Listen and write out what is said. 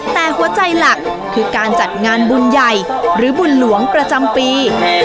แต่หัวใจหลักคือการจัดงานบุญใหญ่หรือบุญหลวงประจำปี